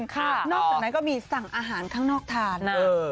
นอกจากนั้นก็มีสั่งอาหารข้างนอกทานนะ